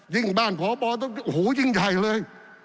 ยิ่งบ้านพอโหยิ่งใหญ่เลย